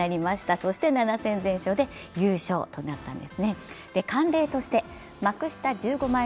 そして７戦全勝で優勝となったんです。